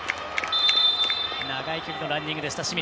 長い距離のランニングでした清水。